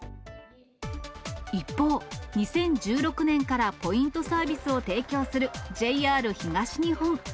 一方、２０１６年からポイントサービスを提供するＪＲ東日本。